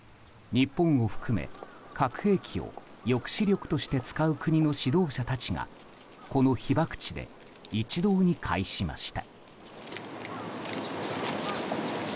日本を含め核兵器を抑止力として使う国の指導者たちがこの被爆地で一堂に会しました。